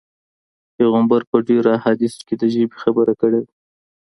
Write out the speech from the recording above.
پيغمبر په ډېرو احاديثو کي د ژبي خبره کړې ده.